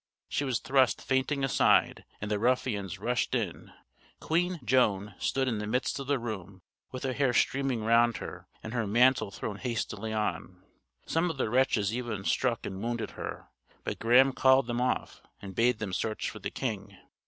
She was thrust fainting aside, and the ruffians rushed in. Queen Joan stood in the midst of the room, with her hair streaming round her, and her mantle thrown hastily on. Some of the wretches even struck and wounded her, but Graham called them off, and bade them search for the king.